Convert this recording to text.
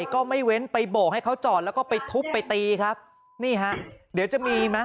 ก็ไม่เว้นไปโบกให้เขาจอดแล้วก็ไปทุบไปตีครับนี่ฮะเดี๋ยวจะมีไหม